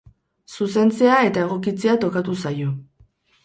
Zuzentzea eta egokitzea tokatu zaio.